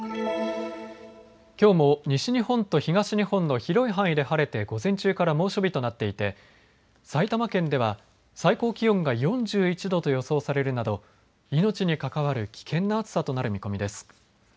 きょうも西日本と東日本の広い範囲で晴れて午前中から猛暑日となっていて埼玉県では最高気温が４１度と予想されるなど命に関わる危険な暑さとなる見込みです。